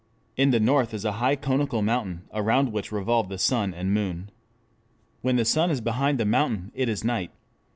In the north is a high conical mountain around which revolve the sun and moon. When the sun is behind the mountain it is night.